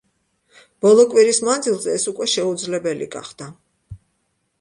ბოლო კვირის მანძილზე ეს უკვე შეუძლებელი გახდა.